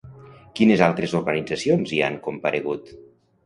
Quines altres organitzacions hi han comparegut?